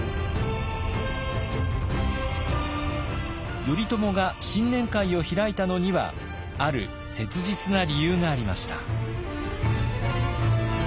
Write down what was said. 頼朝が新年会を開いたのにはある切実な理由がありました。